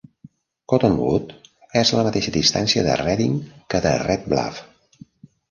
Cottonwood és a la mateixa distància de Redding que de Red Bluff.